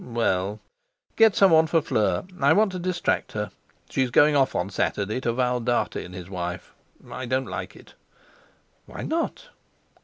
"Well, get some one for Fleur. I want to distract her. She's going off on Saturday to Val Dartie and his wife; I don't like it." "Why not?"